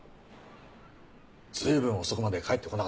随分遅くまで帰ってこなかったじゃないか。